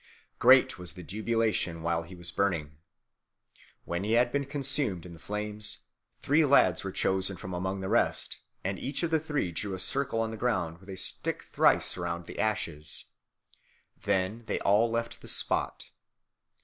Great was the jubilation while he was burning. When he had been consumed in the flames, three lads were chosen from among the rest, and each of the three drew a circle on the ground with a stick thrice round the ashes. Then they all left the spot.